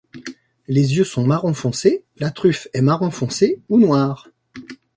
Les yeux sont marron foncé, la truffe est marron foncé ou noire.